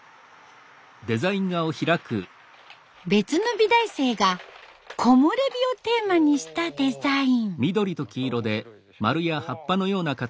別の美大生が木漏れ日をテーマにしたデザイン。